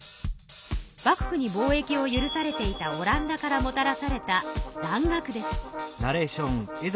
ばく府に貿易を許されていたオランダからもたらされた蘭学です。